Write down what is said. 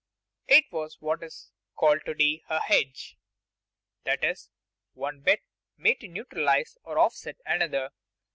It was what is called to day "a hedge," that is, one bet made to neutralize, or offset, another.